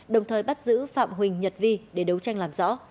đồng thời bắt giữ phạm huỳnh nhật vi để đấu tranh làm rõ